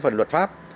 phần luật pháp